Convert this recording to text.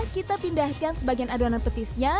kita pindahkan sebagian adonan petisnya